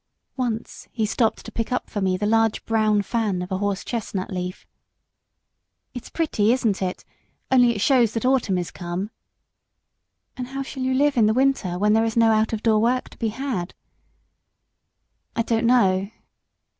Once he stopped to pick up for me the large brown fan of a horse chestnut leaf. "It's pretty, isn't it? only it shows that autumn is come." "And how shall you live in the winter, when there is no out of door work to be had?" "I don't know."